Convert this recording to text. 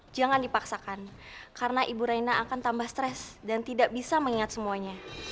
jangan dipaksakan karena ibu raina akan tambah stres dan tidak bisa mengingat semuanya